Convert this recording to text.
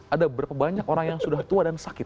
ada berapa banyak orang yang sudah tua dan sakit